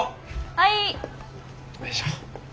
はい。